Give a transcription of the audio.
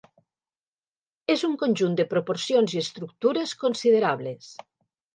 És un conjunt de proporcions i estructures considerables.